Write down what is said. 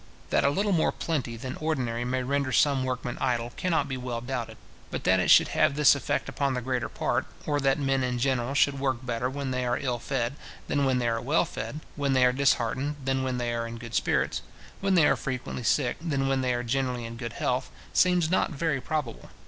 That a little more plenty than ordinary may render some workmen idle, cannot be well doubted; but that it should have this effect upon the greater part, or that men in general should work better when they are ill fed, than when they are well fed, when they are disheartened than when they are in good spirits, when they are frequently sick than when they are generally in good health, seems not very probable.